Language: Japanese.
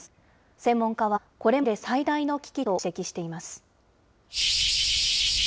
専門家はこれまでで最大の危機と指摘しています。